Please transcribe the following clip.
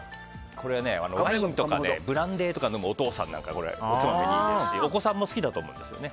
これはねワインとかブランデーとか飲むお父さんなんかおつまみにいいですしお子さんも好きだと思うんですよね。